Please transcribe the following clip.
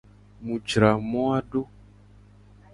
Mu jra moa do.